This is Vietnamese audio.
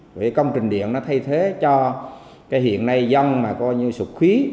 vì công trình điện nó thay thế cho cái hiện nay dân mà coi như sụp khí